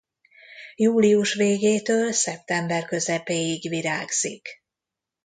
Július végétől szeptember közepéig virágzik.